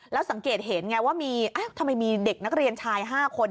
แล้วสังเกตเห็นไงว่ามีทำไมมีเด็กนักเรียนชาย๕คน